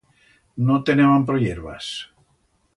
No teneban pro hierbas.